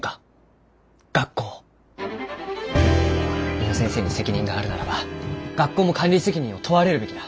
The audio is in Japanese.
宇野先生に責任があるならば学校も管理責任を問われるべきだ。